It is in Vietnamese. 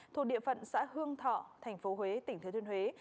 thuộc địa phận xã hương thọ tp huế tỉnh thừa thuyên huế